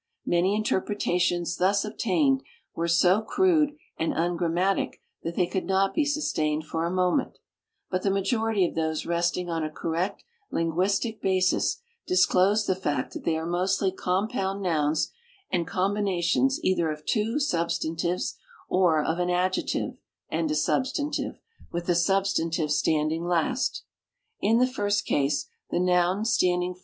INIany interpretations thus obtained were so crude and ungrammatic that the}'^ could not be sustained for a moment ; but the tnajorit}' of those resting on a correct linguistic basis disclosed the fact that they are mostly compound nouns and combinations either of two substantives or of an adjective and a substantive, with the substantive standing last. In the first case, the noun stand ing fi.